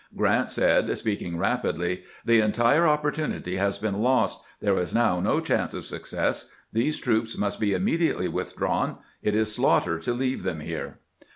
Grant said, speaking rapidly :" The entire opportunity has been lost. There is now no chance of success. These troops must be immediately withdrawn. It is slaughter to leave them here."